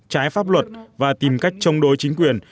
trái pháp luật và tìm cách chống đối chính quyền